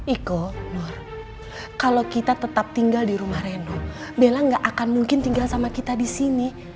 eko nur kalau kita tetap tinggal di rumah reno bella gak akan mungkin tinggal sama kita di sini